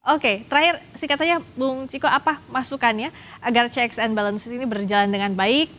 oke terakhir singkat saja bung ciko apa masukannya agar checks and balances ini berjalan dengan baik